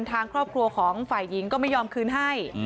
ทางครอบครัวของฝ่ายหญิงก็ไม่ยอมคืนให้